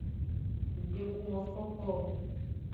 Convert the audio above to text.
Nggbebu mokpokpo o.